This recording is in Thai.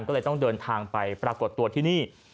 ก็เลยต้องเดินทางไปปรากฏตัวที่นี่